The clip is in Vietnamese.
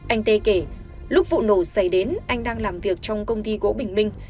anh tê kể lúc vụ nổ xảy đến anh đang làm việc trong công ty gỗ bình minh